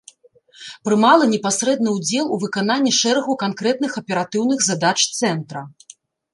Прымала непасрэдны ўдзел у выкананні шэрагу канкрэтных аператыўных задач цэнтра.